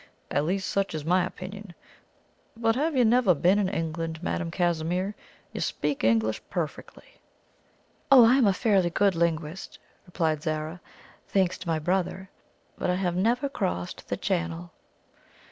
At least such is my opinion. But have you never been in England, Madame Casimir? You speak English perfectly." "Oh, I am a fairly good linguist," replied Zara, "thanks to my brother. But I have never crossed the Channel."